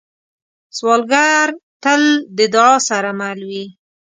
سوالګر تل د دعا سره مل وي